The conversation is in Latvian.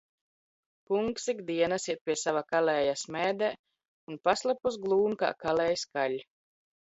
Kungs ik dienas iet pie sava kal?ja sm?d? un paslepus gl?n, k? kal?js ka?.